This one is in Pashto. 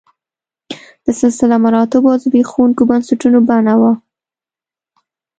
د سلسله مراتبو او زبېښونکو بنسټونو بڼه وه